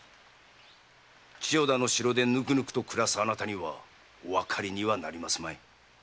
千代田の城でぬくぬくと暮らすあなたにはおわかりにはなりますまい。